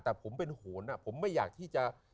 แต่ผมเป็นโหนผมไม่อยากที่จะ